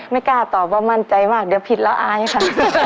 ไม่กล้าตอบว่ามั่นใจมากเดี๋ยวผิดแล้วอายค่ะ